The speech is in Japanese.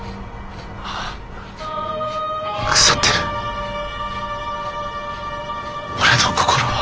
腐ってる俺の心は。